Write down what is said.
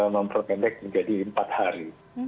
memperpendek menjadi empat hari